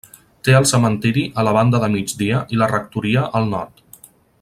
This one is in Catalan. Té el cementiri a la banda de migdia i la rectoria al nord.